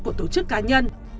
của tổ chức cá nhân